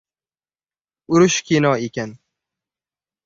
— Urush kino ekan.